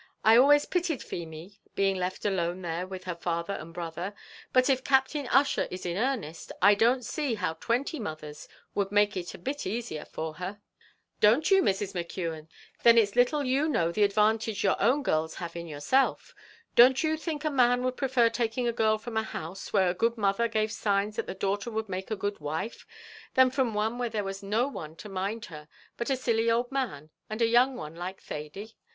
I always pitied Feemy being left alone there with her father and brother; but if Captain Ussher is in earnest, I don't see how twenty mothers would make it a bit easier for her." "Don't you, Mrs. McKeon! then it's little you know the advantage your own girls have in yourself. Don't you think a man would prefer taking a girl from a house where a good mother gave signs that the daughter would make a good wife, than from one where there was no one to mind her but a silly old man, and a young one like Thady?